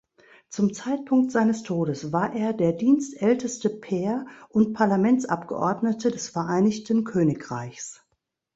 Zum Zeitpunkt seines Todes war er der dienstälteste Peer und Parlamentsabgeordnete des Vereinigten Königreichs.